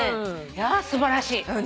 いや素晴らしい。